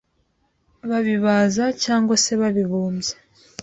babibaza cyangwa se babibumbye